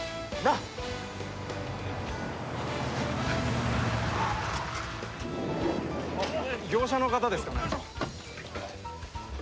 あっ業者の方ですかね？